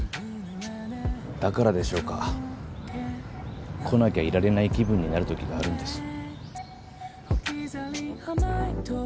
だからでしょうか。来なきゃいられない気分になるときがあるんです。